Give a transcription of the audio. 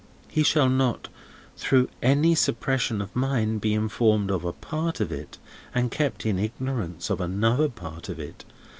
He shall not, through any suppression of mine, be informed of a part of it, and kept in ignorance of another part of it.